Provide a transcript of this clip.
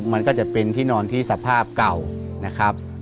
มันก็จะเป็นที่นอนที่สภาพเก่านะครับ